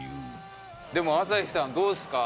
でも朝日さんどうですか？